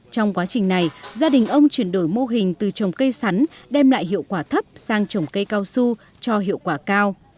trong quá trình này gia đình ông chuyển đổi mô hình từ trồng cây sắn đem lại hiệu quả thấp sang trồng cây cao su cho hiệu quả cao